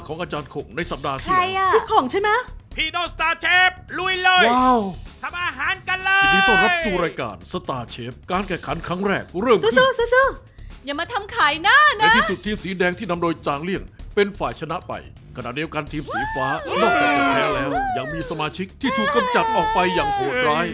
นอกจากจะแพ้แล้วยังมีสมาชิกที่ถูกกำจัดออกไปอย่างโหดร้าย